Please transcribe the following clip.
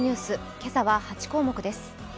今朝は８項目です。